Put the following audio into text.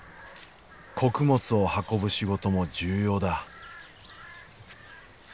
穀物を運ぶ仕事も重要だ。